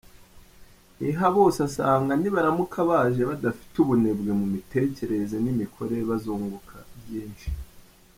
Ntihabose asanga nibaramuka baje badafite ubunebwe mu mitekerereze n’imikorere bazunguka byinshi.